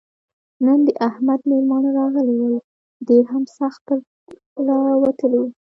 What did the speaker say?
نن د احمد مېلمانه راغلي ول؛ دی هم سخت تر له وتلی وو.